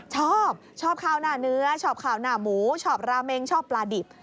ชอบชอบข้าวหน้าเนื้อชอบข้าวหน้าหมูชอบราเมงชอบปลาดิบ